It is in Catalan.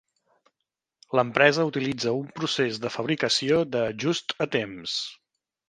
L'empresa utilitza un procés de fabricació de just a temps.